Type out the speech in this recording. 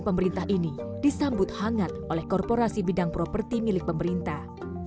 pemerintah ini disambut hangat oleh korporasi bidang properti milik pemerintah